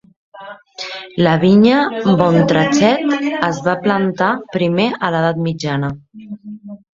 La vinya Montrachet es va plantar primer a l'edat mitjana.